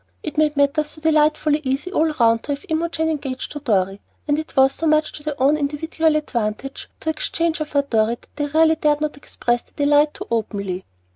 It made matters so delightfully easy all round to have Imogen engaged to Dorry, and it was so much to their own individual advantage to exchange her for Johnnie that they really dared not express their delight too openly.